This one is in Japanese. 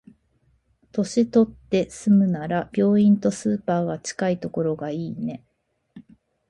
年取って住むなら、病院とスーパーが近いところがいいね。